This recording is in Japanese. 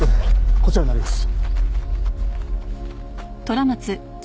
こちらになります。